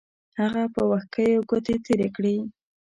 هغه په وښکیو ګوتې تېرې کړې.